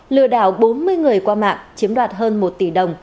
lừa đảo bốn mươi người qua mạng chiếm đoạt hơn một tỷ đồng